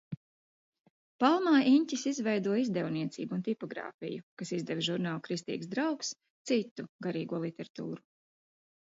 "Palmā Iņķis izveidoja izdevniecību un tipogrāfiju, kas izdeva žurnālu "Kristīgs Draugs", citu garīgo literatūru."